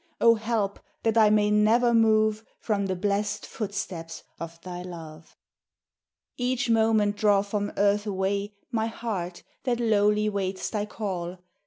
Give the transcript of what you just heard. Oh! help, that I may never move From the blest footsteps of thy love. Each moment draw from earth away My heart, that lowly waits thy call.